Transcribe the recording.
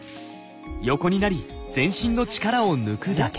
横になり全身の力を抜くだけ。